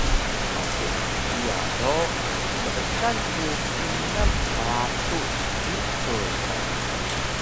Kiya do meekan ku kingal pratu bisur